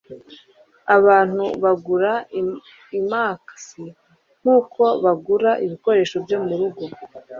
Abantu bagura iMacs nkuko bagura ibikoresho byo murugo.